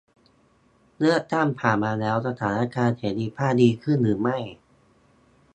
เลือกตั้งผ่านมาแล้ว สถานการณ์เสรีภาพดีขึ้นหรือไม่ ?